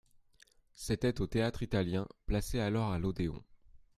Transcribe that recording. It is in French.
C'était au Théâtre-Italien, placé alors à l'Odéon.